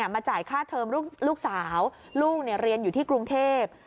มาจ่ายค่าเทิมลูกสาวลูกเรียนอยู่ที่กรุงเทพ